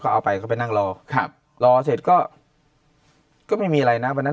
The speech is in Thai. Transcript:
เอาไปก็ไปนั่งรอครับรอเสร็จก็ก็ไม่มีอะไรนะวันนั้น